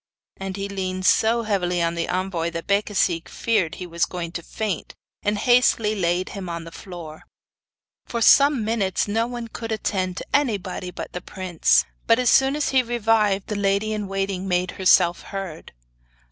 And he leaned so heavily on the envoy that Becasigue feared he was going to faint, and hastily laid him on the floor. For some minutes no one could attend to anybody but the prince; but as soon as he revived the lady in waiting made herself heard.